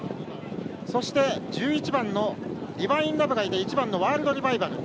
そして１１番ディヴァインラヴがいて１番ワールドリバイバル。